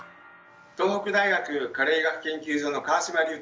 東北大学加齢医学研究所の川島隆太です。